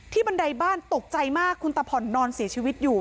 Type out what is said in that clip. บันไดบ้านตกใจมากคุณตาผ่อนนอนเสียชีวิตอยู่